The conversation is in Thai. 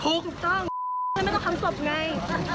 ถูกต้องไม่ต้องทำศพไง